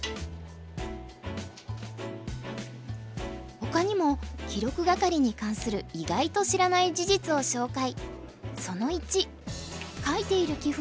ほかにも記録係に関する意外と知らない事実を紹介。